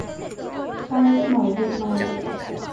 tao sẽ bảo vệ mày